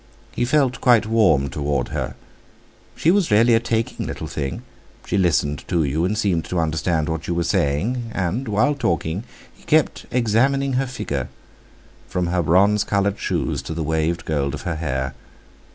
He felt quite warm towards her. She was really a taking little thing; she listened to you, and seemed to understand what you were saying; and, while talking, he kept examining her figure, from her bronze coloured shoes to the waved gold of her hair.